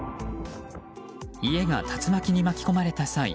家が竜巻に巻き込まれた際